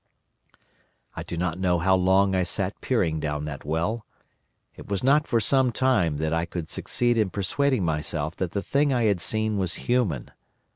"I do not know how long I sat peering down that well. It was not for some time that I could succeed in persuading myself that the thing I had seen was human.